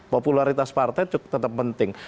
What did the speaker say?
popularitas partai tetap penting